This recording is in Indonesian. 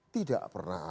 tidak pernah ada